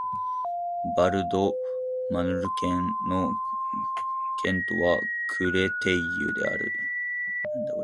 ヴァル＝ド＝マルヌ県の県都はクレテイユである